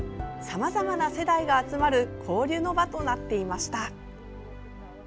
さまざまな世代が集まる交流の場となっていました。